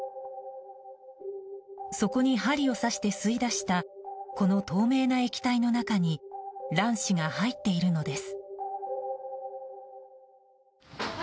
そこに針を刺して吸い出したこの透明な液体の中に卵子が入っているのです。